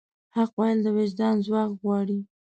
حق ویل د وجدان ځواک غواړي.